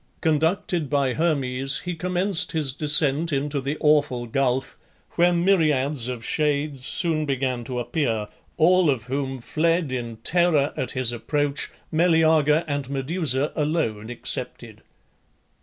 Conducted by Hermes, he commenced his descent into the awful gulf, where myriads of shades soon began to appear, all of whom fled in terror at his approach, Meleager and Medusa alone excepted.